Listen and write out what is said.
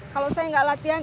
kalau saya gak latihan